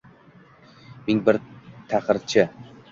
минг бир таҳрирчи